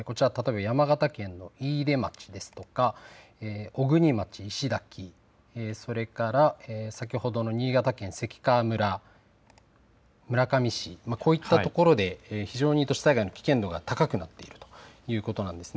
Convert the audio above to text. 例えば山形県の飯豊町ですとか、小国町それから先ほどの新潟県関川村、村上市、こういったところで非常に土砂災害の危険度が高くなっているということなんです。